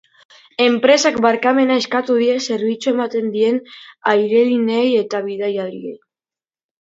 Enpresak barkamena eskatu die zerbitzua ematen dien airelineei eta bidaiariei.